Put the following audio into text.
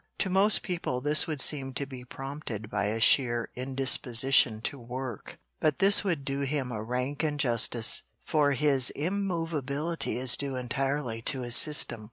To most people this would seem to be prompted by a sheer indisposition to work, but this would do him a rank injustice, for his immovability is due entirely to his system.